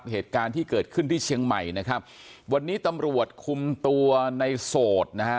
เหตุการณ์ที่เกิดขึ้นที่เชียงใหม่นะครับวันนี้ตำรวจคุมตัวในโสดนะฮะ